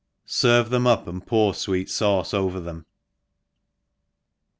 &rve them up and pour fweet faiice over them.